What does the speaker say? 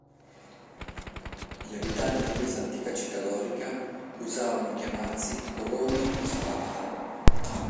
Gli abitanti di questa antica città dorica usavano chiamarsi "coloni di Sparta".